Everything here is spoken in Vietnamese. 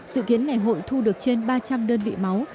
sự kiến ngày hội thu được trên ba trăm linh đơn vị máu